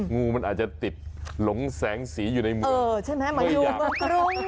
งูมันอาจจะติดหลงแสงสีอยู่ในเมือง